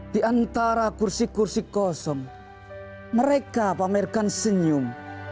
di antara kursi kursi kosong mereka pamerkan senyum